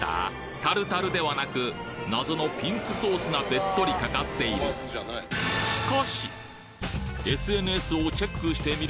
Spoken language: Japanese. タルタルではなく謎のピンクソースがベットリかかっているなんと高知県民